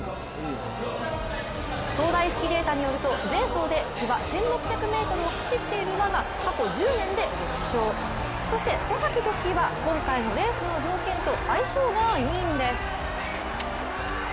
東大式データによると前走で芝１６００ｍを走っている馬が過去１０年で６勝、そして戸崎ジョッキーは今回のレースの条件と相性がいいんです。